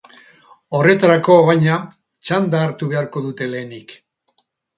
Horretarako, baina, txanda hartu beharko dute lehenik.